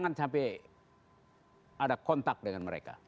tapi ada kontak dengan mereka